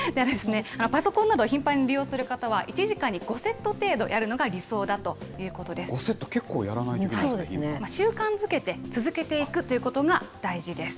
パソコンなど、頻繁に利用する方は、１時間に５セット程度やるの５セット、習慣づけて続けていくということが大事です。